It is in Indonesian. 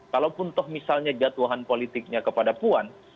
kalau pun misalnya jadwahan politiknya kepada puan